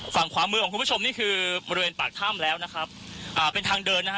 ฝั่งขวามือของคุณผู้ชมนี่คือบริเวณปากถ้ำแล้วนะครับอ่าเป็นทางเดินนะฮะ